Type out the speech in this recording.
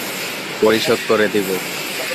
পরিশোধ করে দিব।